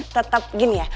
tetep gini ya